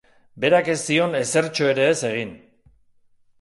Berak ez zion ezertxo ere ez egin.